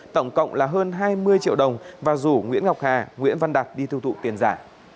tổng cộng là hơn hai mươi triệu đồng và rủ nguyễn ngọc hà nguyễn văn đạt đi tiêu thụ tiền giả